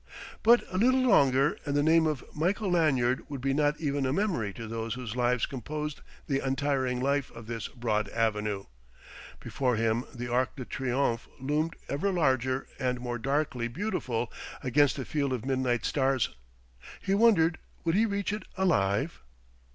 But a little longer, and the name of Michael Lanyard would be not even a memory to those whose lives composed the untiring life of this broad avenue. Before him the Arc de Triomphe loomed ever larger and more darkly beautiful against the field of midnight stars He wondered, would he reach it alive....